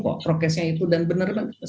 kok prokesnya itu dan benar benar